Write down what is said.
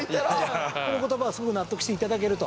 この言葉はすごい納得して頂けると。